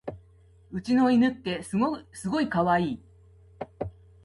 うちの犬ってすごいかわいい